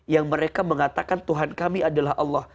yang mereka mengatakan tuhan kami adalah allah